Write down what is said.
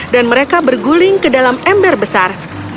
dan mereka berguling ke dalam ember besar